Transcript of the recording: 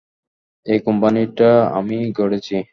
এই কোম্পানিটা আমি গড়েছি।